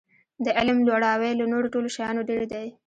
د علم لوړاوی له نورو ټولو شیانو ډېر دی.